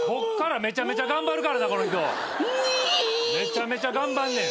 めちゃめちゃ頑張んねん。